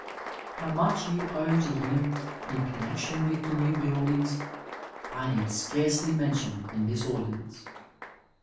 How much you owe to him in connexion with the new buildings I need scarcely mention in this audience.